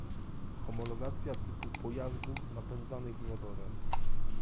Homologacja typu pojazdów napędzanych wodorem